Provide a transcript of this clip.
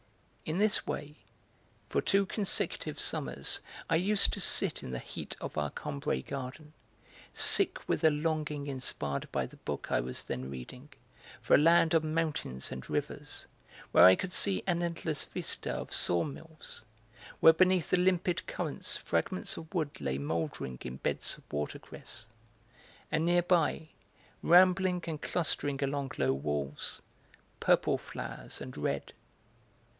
In this way, for two consecutive summers I used to sit in the heat of our Combray garden, sick with a longing inspired by the book I was then reading for a land of mountains and rivers, where I could see an endless vista of sawmills, where beneath the limpid currents fragments of wood lay mouldering in beds of watercress; and nearby, rambling and clustering along low walls, purple flowers and red.